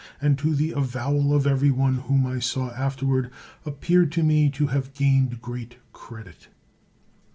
and to the avowal of every one whom I saw afterward, appeared to me to have gained great credit.